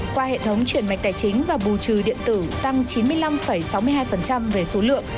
qua hệ thống chuyển mạch tài chính và bù trừ điện tử tăng chín mươi năm sáu mươi hai về số lượng